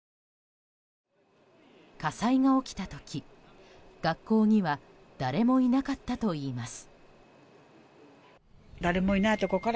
火災が起きた時、学校には誰もいなかったといいます。